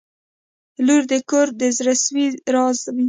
• لور د کور د زړسوي راز وي.